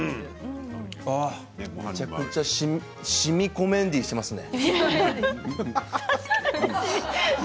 めちゃくちゃしみこメンディーしてますね。